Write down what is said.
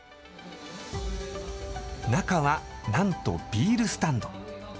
中はなんとビールスタンド。